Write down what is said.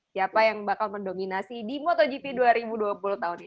siapa yang bakal mendominasi di motogp dua ribu dua puluh tahun ini